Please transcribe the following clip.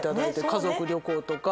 家族旅行とか。